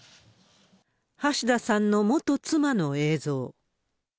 橋田さんの元妻の映像。